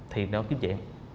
thì nó kiếm chẹn